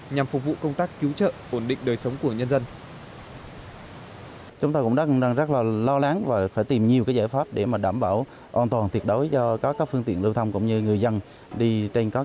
nhằm phục vụ công tác cứu trợ ổn định đời sống của nhân dân